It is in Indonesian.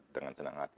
dengan senang hati